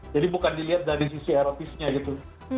jadi bukan dilihat dari sisi erotisnya gitu